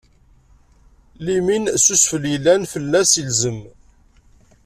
Limin s usfel yellan fell-as ilzem.